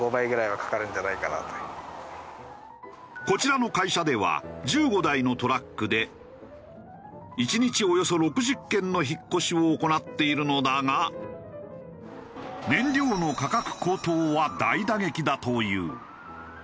こちらの会社では１５台のトラックで１日およそ６０件の引っ越しを行っているのだが燃料の価格高騰は大打撃だという。